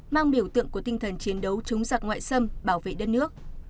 mang biểu tượng của tinh thần chiến đấu chống giặc ngoại xâm bảo vệ đất nước